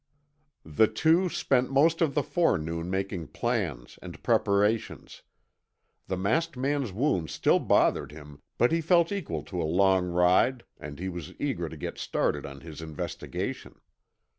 The two spent most of the forenoon making plans and preparations. The masked man's wounds still bothered him, but he felt equal to a long ride and he was eager to get started on his investigation.